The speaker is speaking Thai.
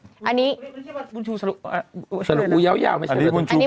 เป็นการกระตุ้นการไหลเวียนของเลือด